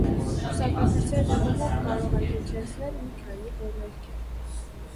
Պսակադրության ժամանակ կարող են հնչեցնել մի քանի օրհներգեր։